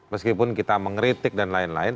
meskipun kita mengeritik dan lain lain